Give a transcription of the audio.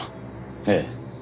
ええ。